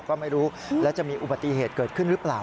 ก็ไม่รู้แล้วจะมีอุบัติเหตุเกิดขึ้นหรือเปล่า